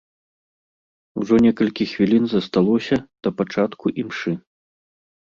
Ужо некалькі хвілін засталося да пачатку імшы.